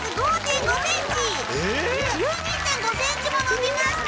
１２．５ｃｍも伸びました